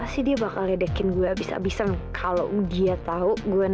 sendiri aku mau contohin satu hal